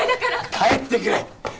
帰ってくれ！